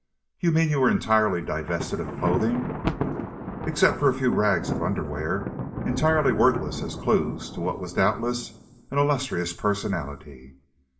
"You mean you were entirely divested of clothing?" "Except for a few rags of underwear, entirely worthless as clews to what was doubtless an illustrious personality!